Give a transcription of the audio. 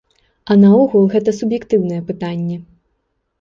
А наогул, гэта суб'ектыўнае пытанне.